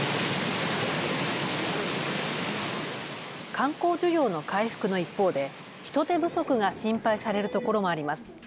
観光需要の回復の一方で人手不足が心配されるところもあります。